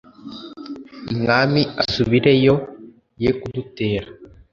mwami asubireyo ye kudutera